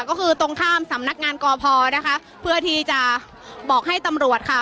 ก็คือตรงข้ามสำนักงานกพนะคะเพื่อที่จะบอกให้ตำรวจค่ะ